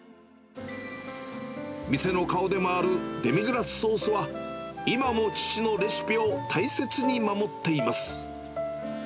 店の顔でもあるデミグラスソースは、今も父のレシピを大切に守っています。